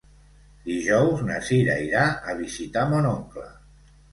Dijous na Cira irà a visitar mon oncle.